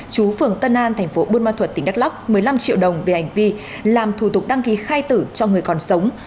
chú phường tân an tp bunma thuật tỉnh đắk lắk một mươi năm triệu đồng về hành vi làm thủ tục đăng ký khai tử cho người còn sống